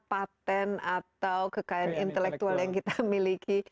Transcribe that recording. patent atau kekayaan intelektual yang kita miliki